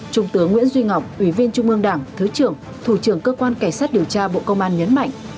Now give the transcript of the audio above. trung tướng nguyễn duy ngọc ủy viên trung ương đảng thứ trưởng thủ trưởng cơ quan cảnh sát điều tra bộ công an nhấn mạnh